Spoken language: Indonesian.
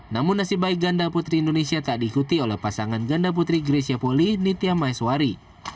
namun nasib baik ganda putri indonesia tak diikuti oleh pasangan ganda putri grecia poli nitya maiswari